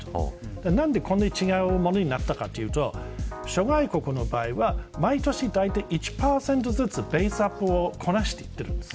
なぜこんなに違うものになったかというと諸外国の場合は毎年、だいたい１％ずつベースアップをこなしていっているんです。